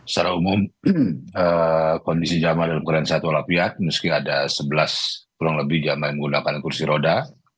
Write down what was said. secara umum kondisi jamaah dalam keadaan satu walafiat meski ada sebelas kurang lebih jemaah yang menggunakan kursi roda